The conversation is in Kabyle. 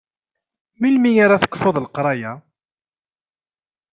Melmi ara tekfuḍ leqraya?